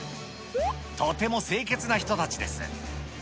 とても清潔な人たちです。